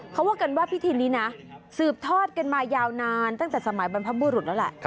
เขาว่ากันว่าพิธีนี้นะสืบทอดกันมายาวนานตั้งแต่สมัยบรรพบุรุษแล้วแหละ